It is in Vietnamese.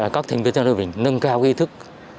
các thành viên gia đình nâng cao ý thức